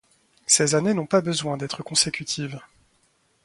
Ces années n'ont pas besoin d'êtres consécutives.